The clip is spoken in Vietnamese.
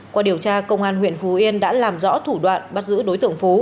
qua điều tra công an huyện phú yên đã làm rõ thủ đoạn bắt giữ đối tượng phú